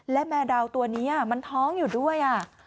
และแมวดาวตัวนี้มันท้องอยู่ด้วย